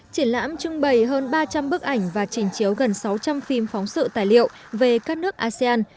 triển lãm trưng bày hơn ba trăm linh bức ảnh và trình chiếu gần sáu trăm linh phim phóng sự tài liệu về các nước asean